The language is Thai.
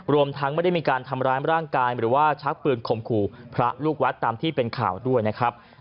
รวมทั้งไม่ได้มีการทำร้ายร่างกายหรือว่าชักปืนข่มขู่พระลูกวัดตามที่เป็นข่าวด้วยนะครับ